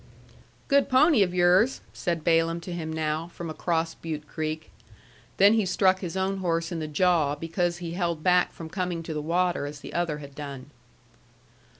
"Good pony of yours," said Balaam to him now, from across Butte Creek. Then he struck his own horse in the jaw because he held back from coming to the water as the other had done.